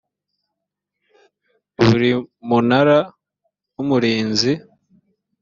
biri mu munara w umurinzi